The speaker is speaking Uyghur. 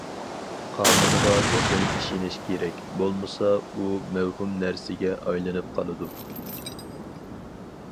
‹‹ قانۇنغا چوقۇم ئىشىنىش كېرەك، بولمىسا ئۇ مەۋھۇم نەرسىگە ئايلىنىپ قالىدۇ››.